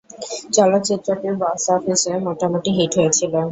চলচ্চিত্রটি বক্স অফিসে মোটামুটি হিট হয়েছিলো।